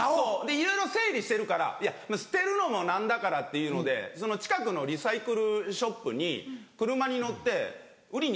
いろいろ整理してるから捨てるのも何だからというので近くのリサイクルショップに車に乗って売りに。